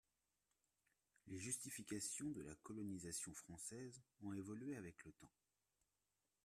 Les justifications de la colonisation française ont évolué avec le temps.